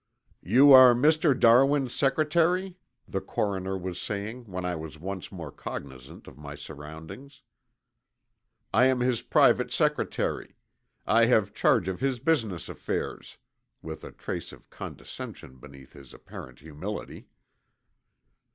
"You are Mr. Darwin's secretary?" the coroner was saying when I was once more cognizant of my surroundings. "I am his private secretary. I have charge of his business affairs," with a trace of condescension beneath his apparent humility.